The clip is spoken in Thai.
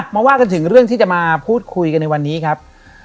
มาว่ากันถึงเรื่องที่จะมาพูดคุยกันในวันนี้ครับ